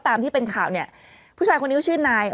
ตามที่เป็นข่าวเนี่ยผู้ชายคนนี้เขาชื่อนาย